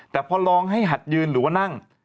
แต่พอลองให้หัดยืนหรือว่านั่ง